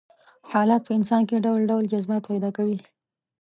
حالات په انسان کې ډول ډول جذبات پيدا کوي.